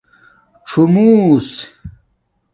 څُݸمُوس